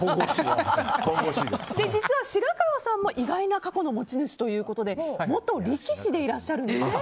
実は白川さんも意外な過去の持ち主ということで元力士でいらっしゃるんですよね。